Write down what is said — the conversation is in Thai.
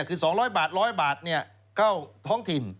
คือ๒๐๐บาท๑๐๐บาทเข้าท้องถิ่น